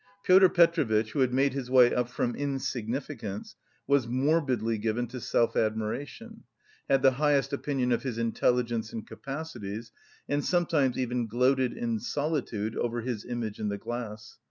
Pyotr Petrovitch, who had made his way up from insignificance, was morbidly given to self admiration, had the highest opinion of his intelligence and capacities, and sometimes even gloated in solitude over his image in the glass.